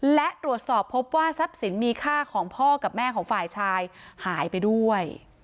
และตรวจสอบพบว่าทรัพย์สินมีค่าของพ่อกับแม่ของฝ่ายชายหายไปด้วย